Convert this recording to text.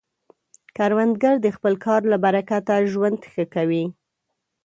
کروندګر د خپل کار له برکته ژوند ښه کوي